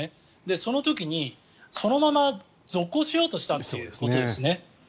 その時にそのまま続行しようとしたということですね。